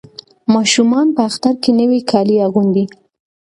ماشومان په اختر کې نوي کالي اغوندي.